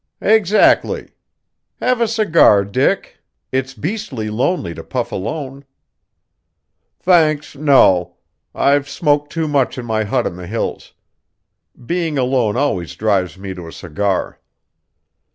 "Exactly. Have a cigar, Dick; it's beastly lonely to puff alone." "Thanks, no. I've smoked too much in my hut on the Hills. Being alone always drives me to a cigar."